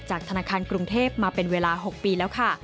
ธนาคารกรุงเทพมาเป็นเวลา๖ปีแล้วค่ะ